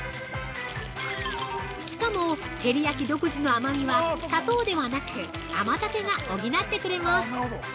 しかも、照り焼き独自の甘みは砂糖ではなく甘酒が補ってくれます。